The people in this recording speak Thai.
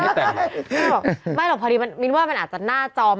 ใช่ล่ะพอดีมีนว่ามันอาจจะหน้าจอ